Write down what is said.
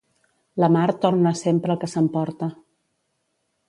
La mar torna sempre el que s'emporta.